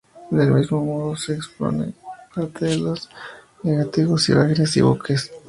Del mismo modo, se expone parte de los negativos de imágenes de buques.